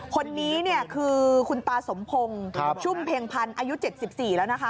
คนนี้เนี่ยคือคุณตาสมพงศ์ชุ่มเพ็งพันธ์อายุ๗๔แล้วนะคะ